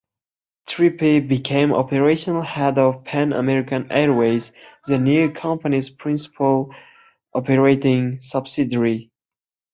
Trippe became operational head of Pan American Airways, the new company's principal operating subsidiary.